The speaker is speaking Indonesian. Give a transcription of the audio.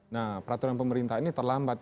nah peraturan pemerintah ini terlambat